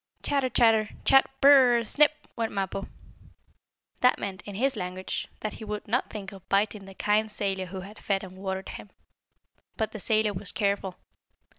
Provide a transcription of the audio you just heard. "Chatter! Chatter! Chat! Bur r r r! Snip!" went Mappo. That meant, in his language, that he would not think of biting the kind sailor who had fed and watered him. But the sailor was careful.